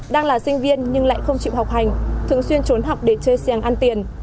đang là sinh viên nhưng lại không chịu học hành thường xuyên trốn học để chơi xing ăn tiền